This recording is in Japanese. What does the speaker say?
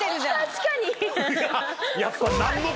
確かに。